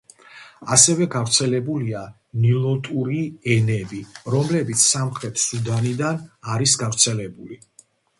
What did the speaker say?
ასევე გავრცელებულია ნილოტური ენები, რომლებიც სამხრეთ სუდანიდან არის გავრცელებული.